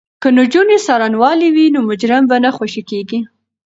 که نجونې څارنوالې وي نو مجرم به نه خوشې کیږي.